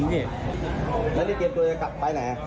แล้วนี่เตรียมตัวจะกลับไปไหน